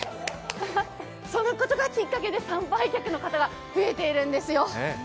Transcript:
そのことがきっかけで参拝客の方が増えているんですよ。